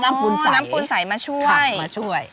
น้ำกุญไสมาช่วย